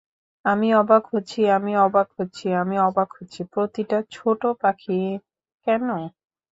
আমি অবাক হচ্ছি আমি অবাক হচ্ছি আমি অবাক হচ্ছি প্রতিটা ছোট পাখির কেনো।